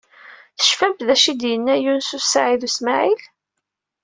Tecfamt d acu i d-yenna Yunes u Saɛid u Smaɛil?